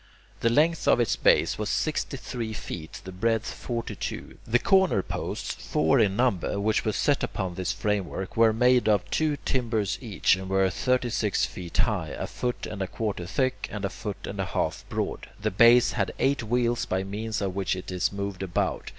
The length of its base was sixty three feet, the breadth forty two. The corner posts, four in number, which were set upon this framework, were made of two timbers each, and were thirty six feet high, a foot and a quarter thick, and a foot and a half broad. The base had eight wheels by means of which it was moved about.